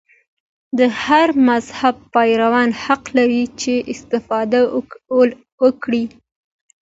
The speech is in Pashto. د هر مذهب پیروان حق لري چې استفاده وکړي.